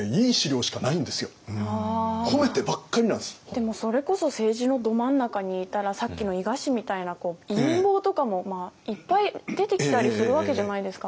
でもそれこそ政治のど真ん中にいたらさっきの伊賀氏みたいな陰謀とかもいっぱい出てきたりするわけじゃないですか。